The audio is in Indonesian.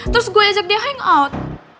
terus gue ajak dia hangout